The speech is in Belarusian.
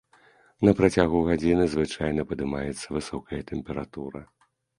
На працягу гадзіны звычайна падымаецца высокая тэмпература.